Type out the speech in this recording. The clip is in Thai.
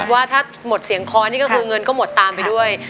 ว่าถ้าหมดเสียงคอนี่ก็คือเงินก็หมดตามไปด้วย